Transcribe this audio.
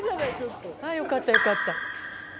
「あよかったよかった」